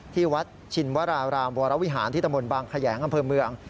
ที่วัดชินวรราวราวิหารที่ตะหม่นบางขยายอำเภอเมือง